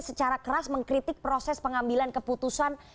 secara keras mengkritik proses pengambilan keputusan